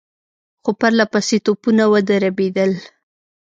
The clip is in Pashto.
څو پرله پسې توپونه ودربېدل.